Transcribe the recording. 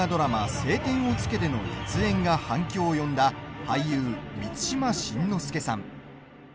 「青天を衝け」での熱演が反響を呼んだ俳優・満島真之介さん。